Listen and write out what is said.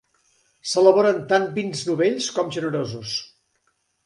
S'elaboren tant vins novells com generosos.